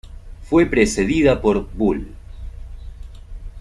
Fue precedida por "Bull.